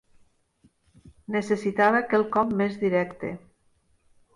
Necessitava quelcom més directe